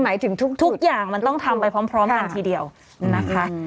หมายถึงทุกอย่างมันต้องทำไปพร้อมกันทีเดียวนะคะ